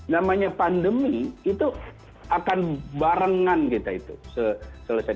namanya pandemi itu akan barengan kita itu selesai